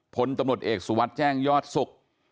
พลตำรวจเอกสุวัสดิ์แจ้งยอดศุกร์